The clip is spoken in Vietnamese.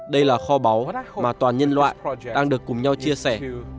đây là kho báu mà toàn nhân loại đang được cùng nhau chia sẻ